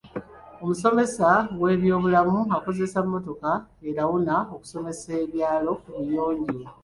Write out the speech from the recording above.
Omusomesa w'ebyobulamu akozesa mmotoka erawuna okusomesa ebyalo ku buyonjo.